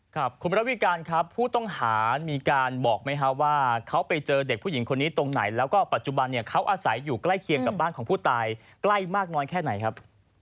ครับคุณระวิการครับผู้ต้องหามีการบอกไหมครับว่าเขาไปเจอเด็กผู้หญิงคนนี้ตรงไหนแล้วก็ปัจจุบันเนี่ยเขาอาศัยอยู่ใกล้เคียงกับบ้านของผู้ตายใกล้มากน้อยแค่ไหนครับ